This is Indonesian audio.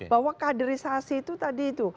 bahwa kaderisasi itu tadi itu